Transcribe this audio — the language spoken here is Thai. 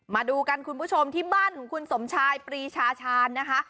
มาดูกันคุณผู้ชมที่บ้านของคุณสมชายปรีชาชาญนะคะ